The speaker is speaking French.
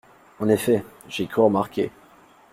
En effet, j’ai cru remarquer…